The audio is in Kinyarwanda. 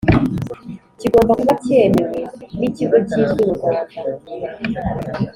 kigomba kuba cyemewe n Ikigo kizwi mu rwanda